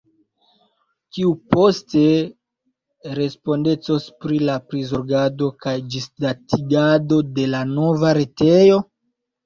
Kiu poste respondecos pri la prizorgado kaj ĝisdatigado de la nova retejo?